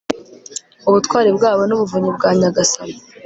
ubutwari bwabo n'ubuvunyi bwa nyagasani